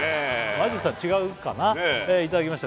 ｍａｊｙｕさん違うかないただきました